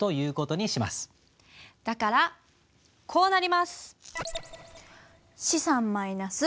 だからこうなります。